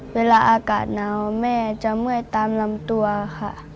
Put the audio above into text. เวลาอากาศหนาวแม่จะเมื่อยตามลำตัวค่ะ